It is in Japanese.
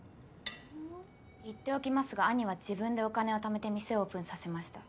言っておきますが兄は自分でお金を貯めて店をオープンさせました。